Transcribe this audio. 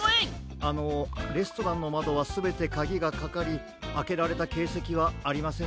あのレストランのまどはすべてカギがかかりあけられたけいせきはありませんでした。